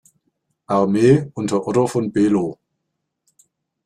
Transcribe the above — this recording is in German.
Armee unter Otto von Below.